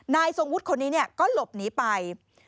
นายทรงวุฒิคนนี้เนี่ยก็หลบหนีไป